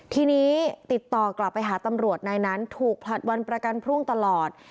ทีนี้ติดต่อกลับไปหาตำรวจนายนั้นถูกผลัดวันประกันพรุ่งตลอด